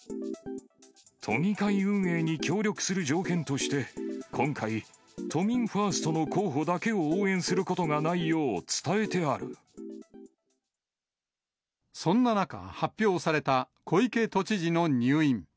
都議会運営に協力する条件として、今回、都民ファーストの候補だけを応援することがないよう、そんな中、発表された、小池都知事の入院。